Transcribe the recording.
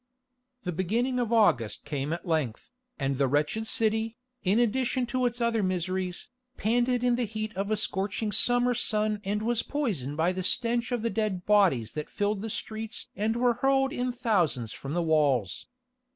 The beginning of August came at length, and the wretched city, in addition to its other miseries, panted in the heat of a scorching summer sun and was poisoned by the stench from the dead bodies that filled the streets and were hurled in thousands from the walls.